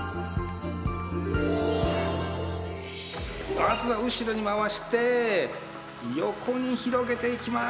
まずは後ろに回して横に広げていきまーす。